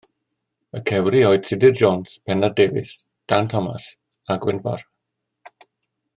Y cewri oedd Tudur Jones, Pennar Davies, Dan Thomas a Gwynfor.